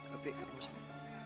tapi aku mau cari